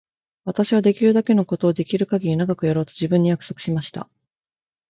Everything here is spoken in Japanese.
私はできるだけのことをできるかぎり長くやろうと自分に約束しました。